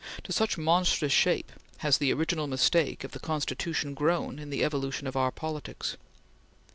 To such monstrous shape has the original mistake of the Constitution grown in the evolution of our politics.